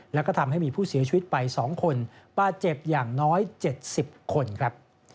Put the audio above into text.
แล้วก็ทำให้มีผู้เสียชีวิตไป๒คนบาดเจ็บอย่างน้อย๗๐คนครับ